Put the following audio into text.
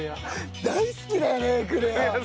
大好きだよねエクレア！